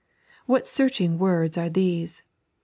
What searching words are these.